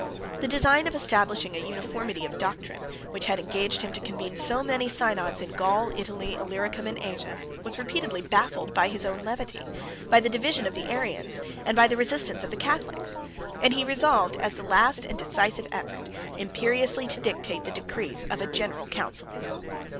The design of establishing a uniformity of doctrine, which had engaged him to convene so many synods in Gaul, Italy, Illyricum, and Asia, was repeatedly baffled by his own levity, by the divisions of the Arians, and by the resistance of the Catholics; and he resolved, as the last and decisive effort, imperiously to dictate the decrees of a general council.